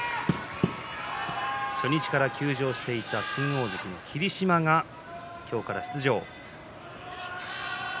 初日から休場していた新大関霧島が今日から出場。